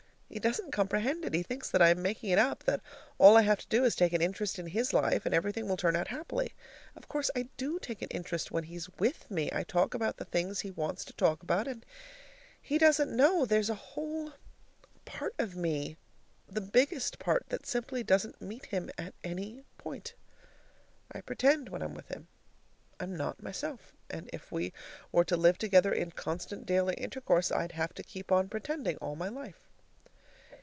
He doesn't comprehend it; he thinks that I am making it up, that all I have to do is to take an interest in his life, and everything will turn out happily. Of course I do take an interest when he's with me. I talk about the things he wants to talk about, and he doesn't know that there's a whole part of me the biggest part of me that simply doesn't meet him at any point. I pretend when I am with him. I am not myself, and if we were to live together in constant daily intercourse, I'd have to keep on pretending all my life.